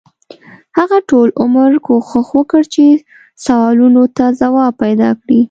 هغه ټول عمر کوښښ وکړ چې سوالونو ته ځواب پیدا کړي.